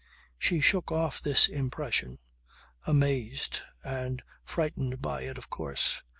She shook off this impression, amazed and frightened by it of course.